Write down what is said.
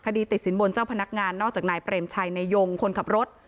ติดสินบนเจ้าพนักงานนอกจากนายเปรมชัยนายยงคนขับรถ